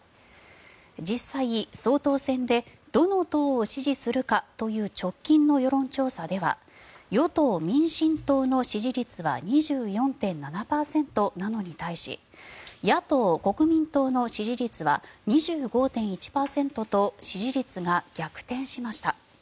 実際、総統選でどの党を支持するかという直近の世論調査では与党・民進党の支持率は２４．７％なのに対し野党・国民党の支持率は２５．１％と支持率が逆転しました。